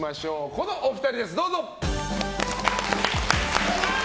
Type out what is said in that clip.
このお二人です、どうぞ！